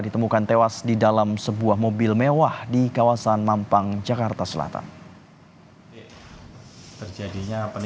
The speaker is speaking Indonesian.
ditemukan tewas di dalam sebuah mobil mewah di kawasan mampang jakarta selatan terjadinya